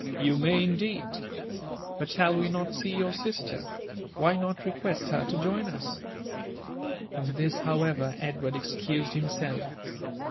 You may, indeed. But shall we not sen your sister ? «why not request her to join us V From this, howeveri Edward excused himself.